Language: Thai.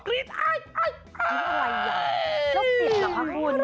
รกจิตเหรอคะคุณ